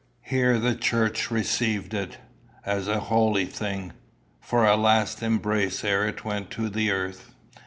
Here the church received it, as a holy thing, for a last embrace ere it went to the earth.